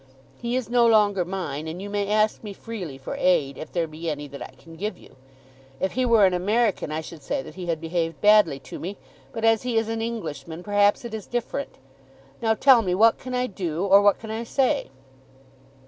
He is no longer mine, and you may ask me freely for aid, if there be any that I can give you. If he were an American I should say that he had behaved badly to me; but as he is an Englishman perhaps it is different. Now tell me; what can I do, or what can I say?"